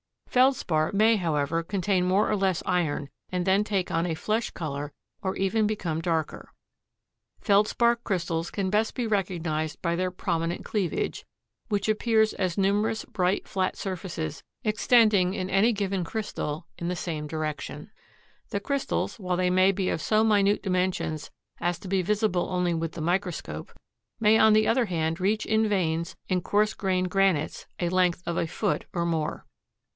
The Feldspar may, however, contain more or less iron and then take on a flesh color or become even darker. Feldspar crystals can best be recognized by their prominent cleavage, which appears as numerous bright flat surfaces extending in any given crystal in the same direction. The crystals, while they may be of so minute dimensions as to be visible only with the microscope, may on the other hand reach in veins in coarse grained granites a length of a foot or more.